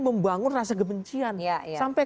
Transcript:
membangun rasa kebencian sampai